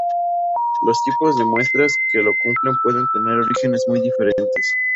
Los tipos de muestras que lo cumplen pueden tener orígenes muy diferentes.